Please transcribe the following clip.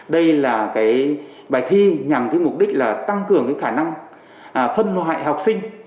đây là bài thi nhằm mục đích tăng cường khả năng phân loại học sinh